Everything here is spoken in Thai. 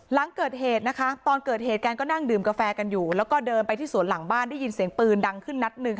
หลังเกิดเหตุนะคะตอนเกิดเหตุแกก็นั่งดื่มกาแฟกันอยู่แล้วก็เดินไปที่สวนหลังบ้านได้ยินเสียงปืนดังขึ้นนัดหนึ่ง